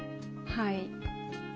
はい。